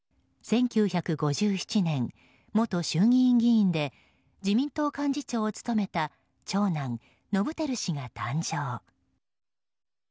１９５７年、元衆議院議員で自民党幹事長を務めた長男・伸晃氏が誕生。